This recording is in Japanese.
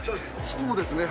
そうですね。